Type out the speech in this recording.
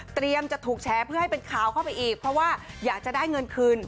จะถูกแชร์เพื่อให้เป็นข่าวเข้าไปอีกเพราะว่าอยากจะได้เงินคืน